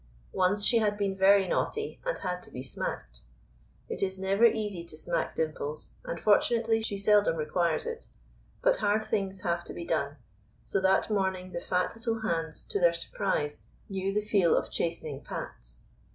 Once she had been very naughty, and had to be smacked. It is never easy to smack Dimples, and fortunately she seldom requires it; but hard things have to be done, so that morning the fat little hands, to their surprise, knew the feel of chastening pats.